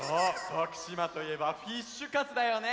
徳島といえばフィッシュカツだよね！